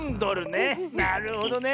なるほどね。